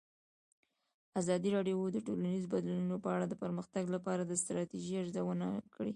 ازادي راډیو د ټولنیز بدلون په اړه د پرمختګ لپاره د ستراتیژۍ ارزونه کړې.